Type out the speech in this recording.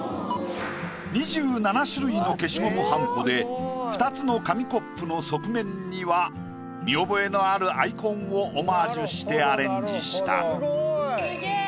２７種類の消しゴムはんこで２つの紙コップの側面には見覚えのあるアイコンをオマージュしてアレンジした。